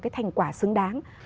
cái thành quả xứng đáng